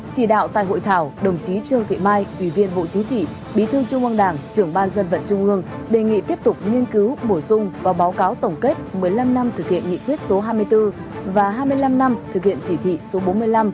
chỉ đạo tại hội thảo đồng chí trương thị mai ủy viên bộ chính trị bí thư trung ương đảng trưởng ban dân vận trung ương đề nghị tiếp tục nghiên cứu bổ sung và báo cáo tổng kết một mươi năm năm thực hiện nghị quyết số hai mươi bốn và hai mươi năm năm thực hiện chỉ thị số bốn mươi năm